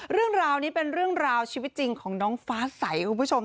เรื่องราวนี้เป็นเรื่องราวชีวิตจริงของน้องฟ้าใสคุณผู้ชม